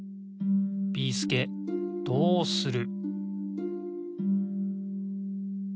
ビーすけどうする？